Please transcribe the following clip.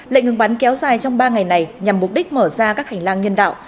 lệnh ngừng bắn kéo dài trong ba ngày này nhằm mục đích mở ra các hành lang nhân đạo